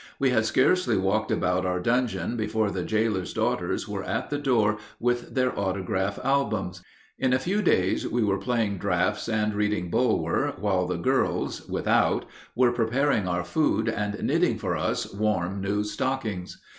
We had scarcely walked about our dungeon before the jailer's daughters were at the door with their autograph albums. In a few days we were playing draughts and reading Bulwer, while the girls, without, were preparing our food and knitting for us warm new stockings.